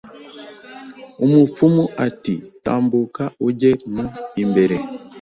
Umupfumu ati tambuka ujye mu mbere